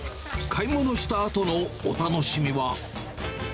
買い物したあとのお楽しみは。